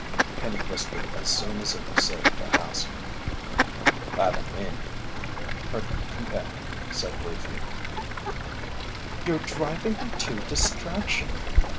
Penny whispered as soon as it was safe to ask. "Bada men," her companion said briefly. "You're driving me to distraction!"